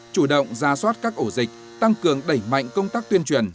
chủ động ra soát các ổ dịch tăng cường đẩy mạnh công tác tuyên truyền